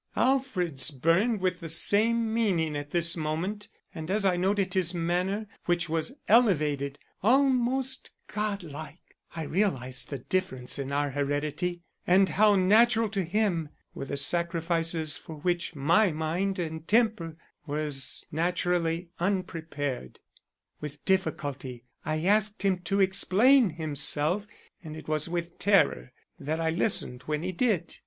Alfred's burned with the same meaning at this moment, and as I noted his manner, which was elevated, almost godlike, I realized the difference in our heredity and how natural to him were the sacrifices for which my mind and temper were as naturally unprepared. With difficulty I asked him to explain himself, and it was with terror that I listened when he did.